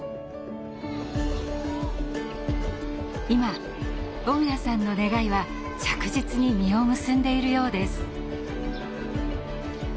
今雄谷さんの願いは着実に実を結んでいるようです。